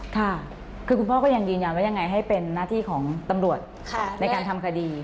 ค่ะคือคุณพ่อก็ยังยืนยันว่ายังไงให้เป็นหน้าที่ของตำรวจในการทำคดี